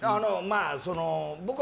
僕は。